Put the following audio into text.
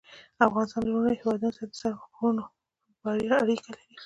افغانستان له نورو هېوادونو سره د غرونو په اړه اړیکې لري.